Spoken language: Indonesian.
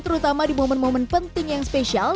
terutama di momen momen penting yang spesial